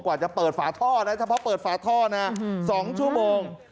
กว่าจะเปิดฝาท่อนะเฉพาะเปิดฝาท่อนะ๒ชั่วโมง